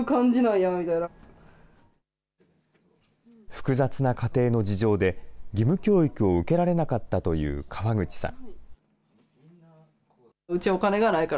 複雑な家庭の事情で、義務教育を受けられなかったという川口さん。